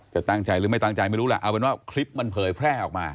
จะตั้งใจหรือไม่ตั้งใจไม่รู้แหละเอาเป็นว่าคลิปมันเผยแพร่ออกมา